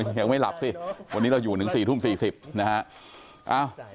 ยังไม่หลับสิวันนี้เราอยู่ถึง๔ทุ่ม๔๐นะฮะ